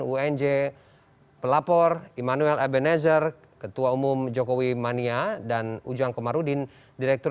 unj pelapor immanuel ebenezer ketua umum jokowi mania dan ujang komarudin direktur